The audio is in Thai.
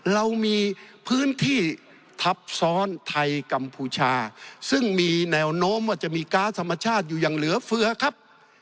เรามีพื้นที่ทับซ้อนไทยกัมพูชาซึ่งมีแนวโน้มว่าจะมีก๊าซธรรมชาติอยู่อย่างเหลือเฟือครับ